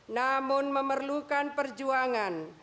namun memerlukan perjuangan